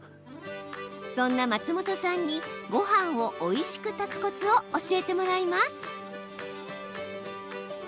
そんな松本さんにごはんをおいしく炊くコツを教えてもらいます。